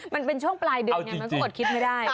มันเป็นช่วงปลายเดือนไงมันก็อดคิดไม่ได้